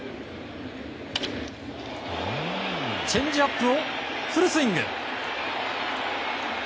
チェンジアップをフルスイング。